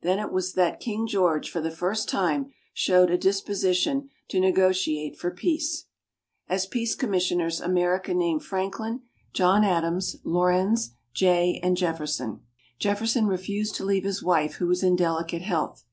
Then it was that King George, for the first time, showed a disposition to negotiate for peace. As peace commissioners, America named Franklin, John Adams, Laurens, Jay and Jefferson. Jefferson refused to leave his wife, who was in delicate health.